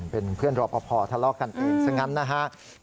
เป็นเพื่อนรอปภทะเลาะกันเองซะงั้นนะฮะ